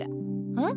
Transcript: えっ？